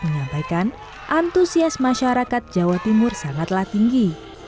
menyampaikan antusias masyarakat jawa timur sangatlah tinggi